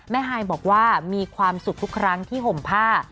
ฮายบอกว่ามีความสุขทุกครั้งที่ห่มผ้า